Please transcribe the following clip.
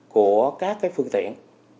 của các phương tiện